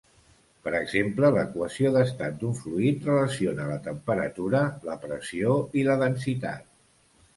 Per exemple l'equació d'estat d'un fluid relaciona la temperatura, la pressió i la densitat.